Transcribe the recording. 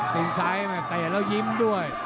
ตีนซ้ายแม่เตะแล้วยิ้มด้วย